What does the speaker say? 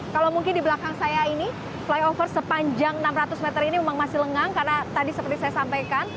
kalau mungkin di belakang saya ini flyover sepanjang enam ratus meter ini memang masih lengang karena tadi seperti saya sampaikan